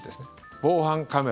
防犯カメラ